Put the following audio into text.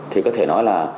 thì có thể nói là